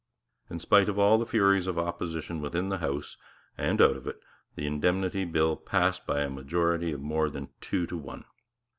In spite of all the furies of opposition within the House and out of it, the Indemnity Bill passed by a majority of more than two to one.